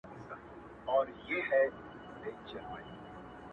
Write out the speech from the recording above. هم زړه سواندی هم د ښه عقل څښتن وو!!